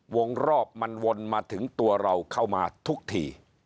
วงรอบมันวนมาถึงตัวเราเข้ามาทุกที